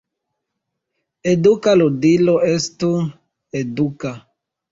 Eduka ludilo estu eduka.